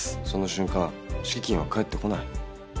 その瞬間敷金は返ってこない。